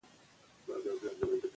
زه ګورم چې کورنۍ وخت ته پام کوي.